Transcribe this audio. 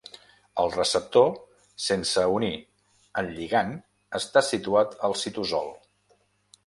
El receptor sense unir al lligand està situat al citosol.